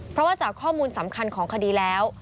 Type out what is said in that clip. เพราะว่าจากข้อมูลสำคัญของคดีแล้ว